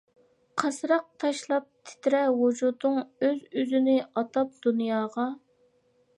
قاسراق تاشلاپ تىترەر ۋۇجۇدۇڭ ئۆز-ئۆزىنى ئاتاپ دۇنياغا.